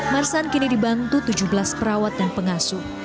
marsan kini dibantu tujuh belas perawat dan pengasuh